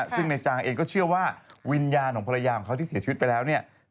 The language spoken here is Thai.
ซึ่งในจางเองก็เชื่อว่าวิญญาณของภรรยาของเขาที่เสียชีวิตไปแล้วเนี่ย